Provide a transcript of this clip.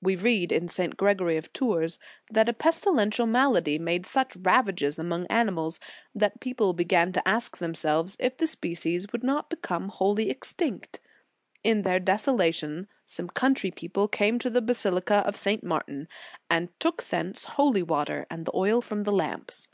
We read in St. Gregory of Tours, that a pestilential malady made such ravages among animals, that people began to ask themselves if the species would not become wholly extinct. In their desolation, some country people came to the basilica of St. Martin, and took thence holy water, and the oil from the lamps.